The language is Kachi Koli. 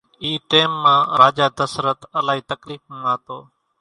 اِي ٽيم مان راجا دسرت الائي تڪليڦ مان ھتو